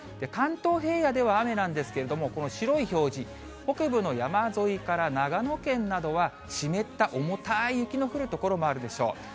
関東平野では雨なんですけれども、この白い表示、北部の山沿いから長野県などは、湿った重たい雪の降る所もあるでしょう。